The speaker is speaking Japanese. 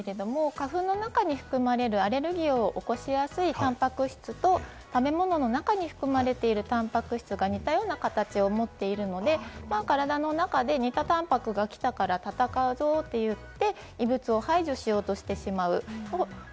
交差反応と書いているんですけれども、花粉の中に含まれるアレルギーを起こしやすいタンパク質と食べ物の中に含まれているタンパク質が似たような形を持っているので、体の中で似たタンパクが来たから、戦うぞといって、異物を排除しようとしてしまう。